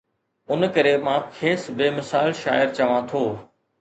ان ڪري مان کيس بي مثال شاعر چوان ٿو.